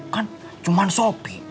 kan cuma sopi